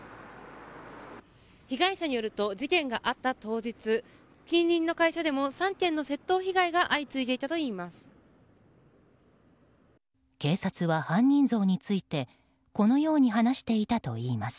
被害者によると事件があった当日近隣の会社でも３件の窃盗被害が相次いでいたといいます。